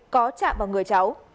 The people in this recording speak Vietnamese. có chạm vào người cháu